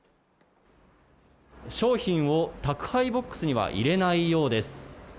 商品を宅配ボックスには入れないようです。